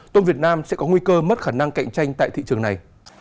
tôm việt nam sẽ có nguy cơ mất khả năng cạnh tranh tại thị trường này